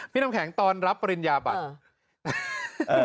น้ำแข็งตอนรับปริญญาบัตร